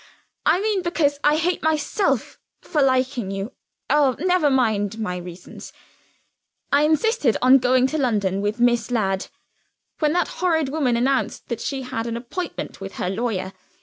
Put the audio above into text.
I mean because I hate myself for liking you. Oh, never mind my reasons. I insisted on going to London with Miss Ladd when that horrid woman announced that she had an appointment with her lawyer.